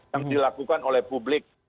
yang dilakukan oleh publik